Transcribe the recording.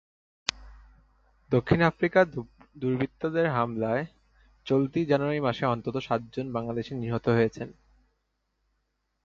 দক্ষিণ আফ্রিকায় দুর্বৃত্তদের হামলায় চলতি জানুয়ারি মাসে অন্তত সাতজন বাংলাদেশি নিহত হয়েছেন।